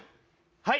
はい。